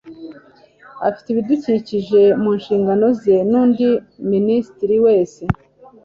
ufite ibidukikije mu nshingano ze nundi minisitiri wese